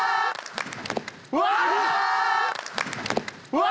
うわ！